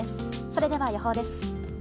それでは予報です。